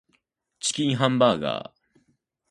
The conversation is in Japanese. チキンハンバーガー